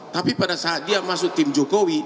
tapi pada saat dia masuk tim jokowi